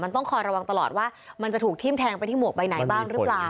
ต้องคอยระวังตลอดว่ามันจะถูกทิ้มแทงไปที่หมวกใบไหนบ้างหรือเปล่า